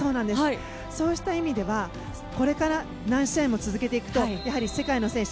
そうした意味ではこれから何試合も続けていくと世界の選手